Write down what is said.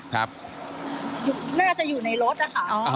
น่าจะอยู่ในรถนะคะ